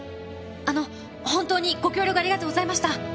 あの本当にご協力ありがとうございました。